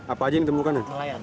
apa aja yang ditemukan